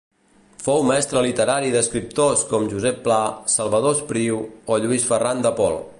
Fou mestre literari d'escriptors com Josep Pla, Salvador Espriu o Lluís Ferran de Pol.